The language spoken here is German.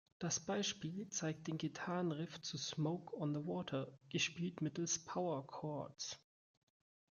Das Beispiel zeigt den Gitarrenriff zu Smoke on the Water, gespielt mittels Powerchords.